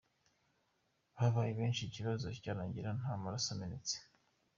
Babaye benshi ikibazo cyarangira nta maraso amenetse.